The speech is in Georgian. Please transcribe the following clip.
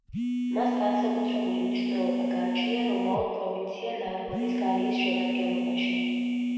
მას განსაკუთრებული მნიშვნელობა გააჩნდა რომაულ პროვინცია ნარბონის გალიის შემადგენლობაში.